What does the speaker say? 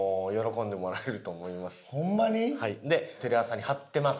でテレ朝に貼ってます。